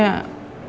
lu bisa bantu gak ren